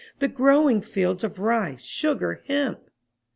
the growing fields of rice, sugar, hemp!